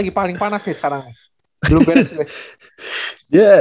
dia ngerti tuhan ya